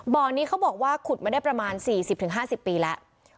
บ่อนี้เขาบอกว่าขุดมาได้ประมาณ๔๐๕๐ปีแล้ว